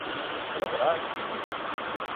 کله به راشي؟